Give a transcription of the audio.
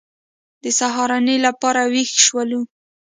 د سهارنۍ لپاره وېښ شولو.